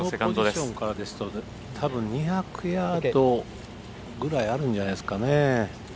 このポジションからですとたぶん、２００ヤードぐらいあるんじゃないですかね。